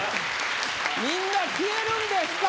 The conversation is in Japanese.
みんな消えるんですか？